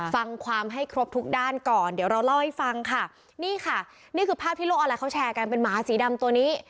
ฟังความให้ครบทุกด้านก่อนเดี๋ยวเราเล่าให้ฟังค่ะนี่ค่ะนี่คือภาพที่โลกออนไลนเขาแชร์กันเป็นหมาสีดำตัวนี้